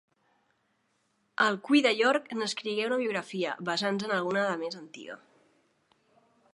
Alcuí de York n'escrigué una biografia, basant-se en alguna de més antiga.